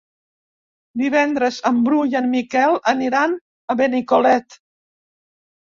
Divendres en Bru i en Miquel aniran a Benicolet.